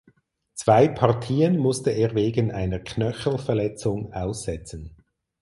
Zwei Partien musste er wegen einer Knöchelverletzung aussetzen.